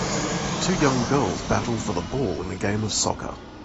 Two young girls battle for the ball in a game of soccer.